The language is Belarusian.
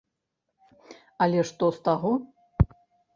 Але што з таго?